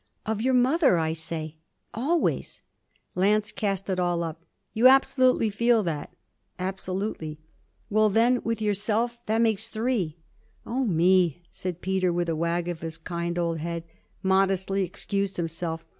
'Of your mother, I say always.' Lance cast it all up. 'You absolutely feel that?' 'Absolutely.' 'Well then with yourself that makes three.' 'Oh me!' and Peter, with a wag of his kind old head, modestly excused himself.